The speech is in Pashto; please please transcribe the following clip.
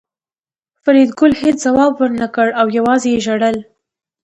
فریدګل هېڅ ځواب ورنکړ او یوازې یې ژړل